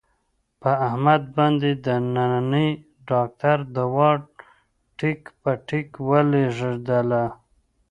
په احمد باندې د ننني ډاکټر دوا ټیک په ټیک ولږېدله.